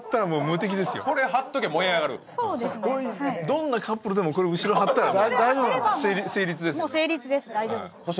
どんなカップルでもこれを後ろに貼ったらもう成立ですよね。